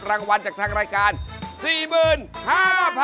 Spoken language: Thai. รางวัลจากทางรายการ๔๕๐๐บาท